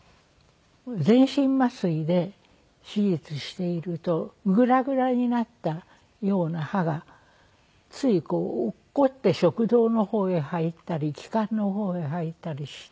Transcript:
全身麻酔で手術しているとグラグラになったような歯がつい落っこちて食道の方へ入ったり気管の方へ入ったりして。